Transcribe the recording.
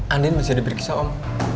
andien masih ada periksa om